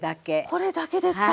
これだけですか。